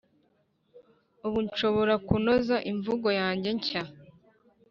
Ubu nshobora: Kunoza imvugo yange nshya